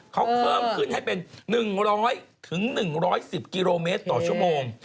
เขาเพิ่มขึ้นให้เป็น๑๐๐๑๑๐กิโลเมตรต่อชั่วโมง